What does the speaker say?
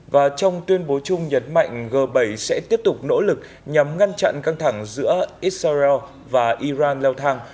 và trong tuyên bố chung nhấn mạnh g bảy sẽ tiếp tục nỗ lực nhằm ngăn chặn căng thẳng giữa israel và iran leo thang